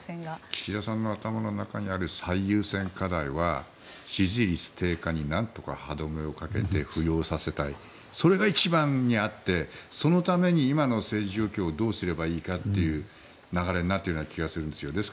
岸田さんの頭の中にある最優先課題は支持率低下に何とか歯止めをかけて浮揚させたいそれが一番にあってそのために今の政治をどうすればいいかという流れになっているような気がするんですよ。